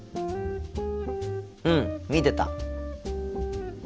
うん見てた。